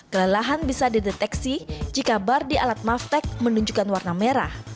kelelahan bisa dideteksi jika bar di alat maftech menunjukkan warna merah